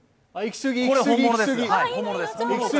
これ、本物です。